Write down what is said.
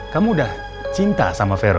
kamu udah cinta sama vero